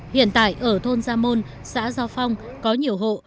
hiện tại ở thôn gia môn xã gia phong có nhiều hộ